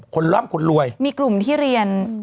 ร่ำคนรวยมีกลุ่มที่เรียน